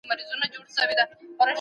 ډاکټرانو په پیل کې خطر جدي ونه باله.